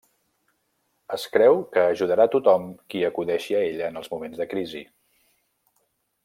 Es creu que ajudarà tothom qui acudeixi a ella en els moments de crisi.